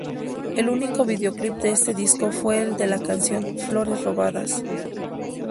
El único videoclip de este disco fue el de la canción ""Flores robadas"".